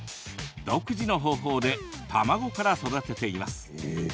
独自の方法で卵から育てています。